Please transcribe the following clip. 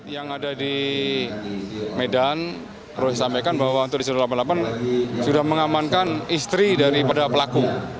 yang ada di medan perlu disampaikan bahwa untuk di satu ratus delapan puluh delapan sudah mengamankan istri daripada pelaku